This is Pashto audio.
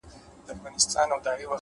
لوړ فکر لوی بدلونونه راولي؛